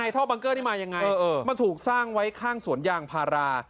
ท่อบังเกอร์นี่มายังไงมันถูกสร้างไว้ข้างสวนยางพารา